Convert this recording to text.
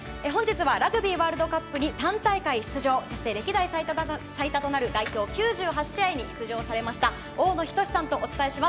本日はラグビーワールドカップに３大会出場、歴代最多となる代表９８試合に出場されました大野均さんとお伝えします。